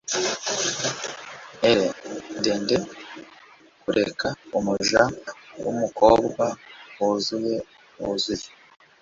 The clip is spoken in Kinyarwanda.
Ere ndende kuneka umuja wumukobwa wuzuye wuzuye